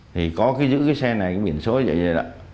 thì có cái giữ cái xe này cái biển số vậy đó